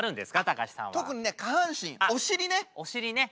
特にね下半身お尻ね。